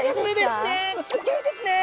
すギョいですね。